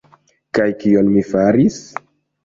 Kaj kion mi faris?